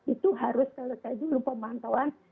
itu harus selesai dulu pemantauan